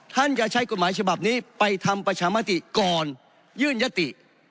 จะใช้กฎหมายฉบับนี้ไปทำประชามติก่อนยื่นยติ